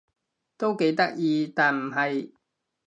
都幾得意但唔係